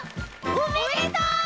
おめでとう！